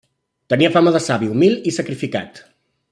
Tenia fama de savi, humil i sacrificat.